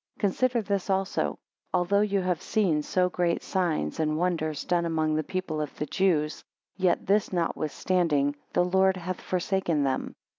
16 Consider this also: although you have seen so great signs and wonders done among the people of the Jews, yet this notwithstanding the Lord hath forsaken them.